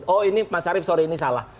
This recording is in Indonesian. oh ini mas arief sore ini salah